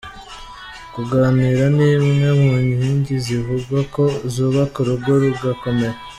Kuganira ni imwe mu nkingi zivugwa ko zubaka urugo rugakomera.